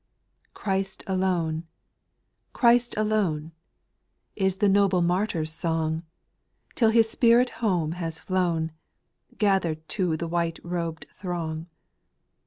4. Christ alone — Christ alone — Is the noble martyr's song, Till his spirit home has flown, Gather'd to the white robed throng.